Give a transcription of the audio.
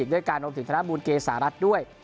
ด้วยการรวมถึงธนบูลเกษารัฐด้วย